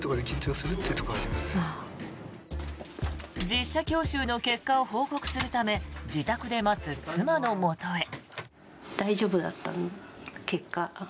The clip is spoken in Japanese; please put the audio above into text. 実車教習の結果を報告するため自宅で待つ妻のもとへ。